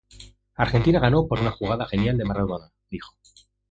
Argentina ganó por una jugada genial de Maradona", dijo.